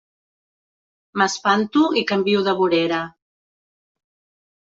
M'espanto i canvio de vorera.